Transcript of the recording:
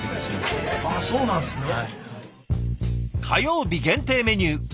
火曜日限定メニュー